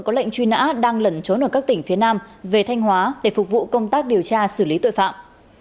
có lệnh truy nã đang lẩn trốn ở các tỉnh phía nam về thanh hóa để phục vụ công tác điều tra xử lý tội phạm